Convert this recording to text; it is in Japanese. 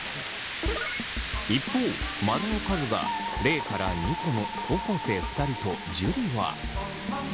一方マルの数が０２個の高校生２人と樹は。